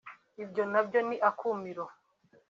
Ibyo nabyo ni akumiro